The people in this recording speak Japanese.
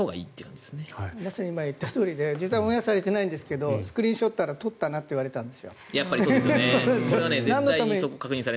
まさに今、言ったとおりで実はオンエアしてないんですがスクリーンショットを撮ったら撮ったなといわれたんです。